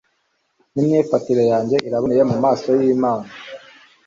n'imyifatire yanjye iraboneye mu maso y'imana